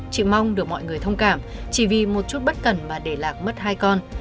chị mong được mọi người thông cảm chỉ vì một chút bất cẩn mà để lạc mất hai con